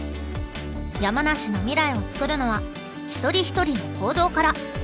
山梨の未来をつくるのは一人一人の行動から。